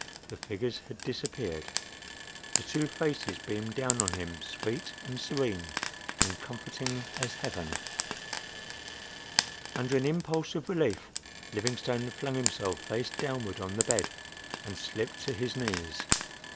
the figures had disappeared. The two faces beamed down on him sweet and serene and comforting as heaven. Under an impulse of relief Livingstone flung himself face downward on the bed and slipped to his knees.